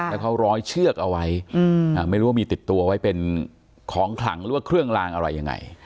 แล้วเขาร้อยเชือกเอาไว้ไม่รู้ว่ามีติดตัวไว้เป็นของขลังหรือว่าเครื่องลางอะไรยังไง